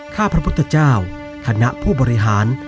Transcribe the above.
ข้าพระพุทธเจ้าคณะผู้บริหาร